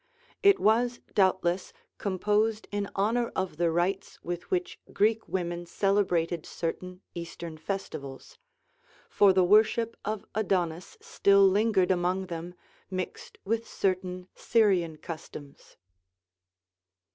It was doubtless composed in honor of the rites with which Greek women celebrated certain Eastern festivals; for the worship of Adonis still lingered among them, mixed with certain Syrian customs.